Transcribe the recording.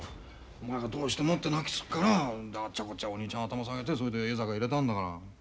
お前がどうしてもって泣きつくからあっちゃこっちゃお兄ちゃん頭下げてそれで江坂入れたんだから。